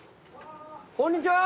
こんにちは。